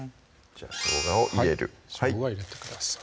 しょうがを入れるしょうが入れてください